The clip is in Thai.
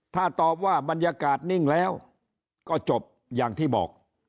ถ้าตอบว่าบรรยากาศนิ่งแล้วก็จบอย่างที่บอก